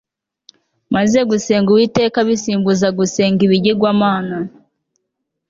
maze gusenga uwiteka abisimbuza gusenga ibigirwamana